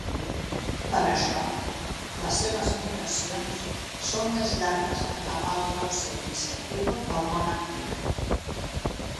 Per això les seves migracions són més llargues que cap altre ocell insectívor del món antic.